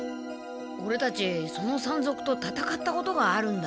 オレたちその山賊と戦ったことがあるんだ。